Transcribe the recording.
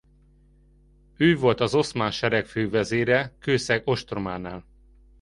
Ő volt az oszmán sereg fővezére Kőszeg ostrománál.